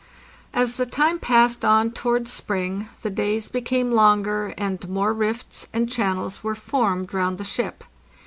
As the time passed on towards spring the days became longer, and more rifts and channels were formed round the ship.